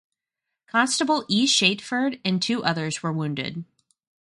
Constable E Shateford and two others were wounded.